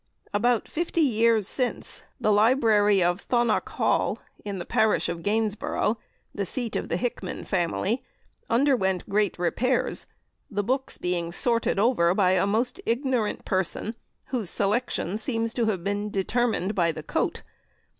About fifty years since, the library of Thonock Hall, in the parish of Gainsborough, the seat of the Hickman family, underwent great repairs, the books being sorted over by a most ignorant person, whose selection seems to have been determined by the coat.